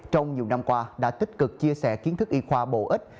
trong nhiều năm qua đã tích cực chia sẻ kiến thức y khoa bổ ích